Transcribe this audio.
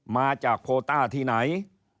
มาจากโพต้าที่ไหน